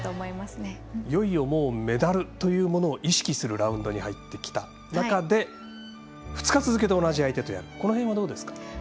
いよいよメダルというものを意識するラウンドに入ってきた中で２日続けて同じ相手とやるこの辺はどうですか？